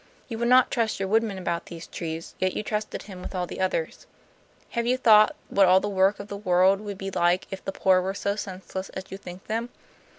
You would not trust your woodman about these trees, yet you trusted him with all the others. Have you ever thought what all the work of the world would be like if the poor were so senseless as you think them?